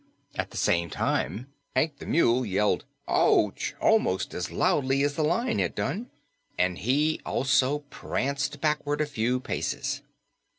At the same time, Hank the Mule yelled "Ouch!" almost as loudly as the Lion had done, and he also pranced backward a few paces.